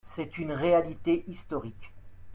C’est une réalité historique